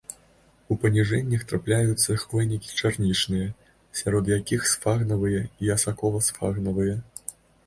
У паніжэннях трапляюцца хвойнікі чарнічныя, сярод якіх сфагнавыя і асакова-сфагнавыя.